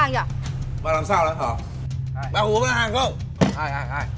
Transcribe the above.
cũng tôi ăn xong rồi